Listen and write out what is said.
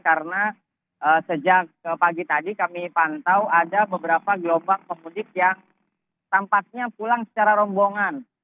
karena sejak pagi tadi kami pantau ada beberapa gelombang pemudik yang tampaknya pulang secara rombongan